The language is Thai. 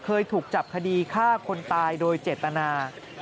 เคยถูกจับคดีฆ่าคนตายโดยเจตนา